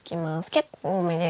結構多めです。